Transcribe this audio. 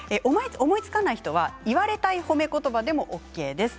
思いつかない人は言われたい褒め言葉でもＯＫです。